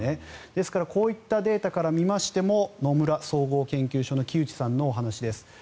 ですからこういったデータから見ましても野村総合研究所の木内さんのお話です。